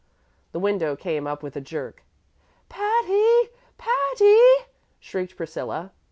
The window came up with a jerk. "Patty! Patty!" shrieked Priscilla.